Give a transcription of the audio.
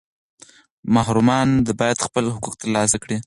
محرومان باید خپل حقوق ترلاسه کړي.